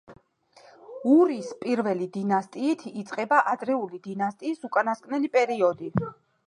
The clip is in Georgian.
ურის პირველი დინასტიით იწყება ადრეული დინასტიის უკანასკნელი პერიოდი.